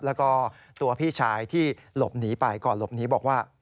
แล้วก็ตัวพี่ชายที่หลบหนีไปก่อนหลบหนีบอกว่า